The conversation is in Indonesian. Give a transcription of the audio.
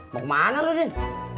mau kemana lo din